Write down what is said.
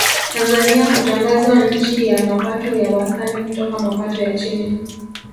Tanzania kutangazwa nchi ya mapato ya wastani kutoka mapato ya chini